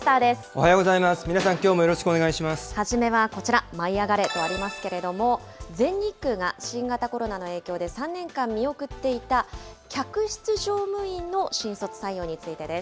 はじめはこちら、舞いあがれ！もありますけれども、全日空が新型コロナの影響で、３年間見送っていた、客室乗務員の新卒採用についてです。